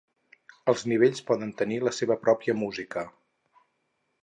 Els nivells poden tenir la seva pròpia música.